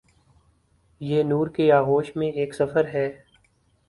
یہ نور کے آغوش میں ایک سفر ہے۔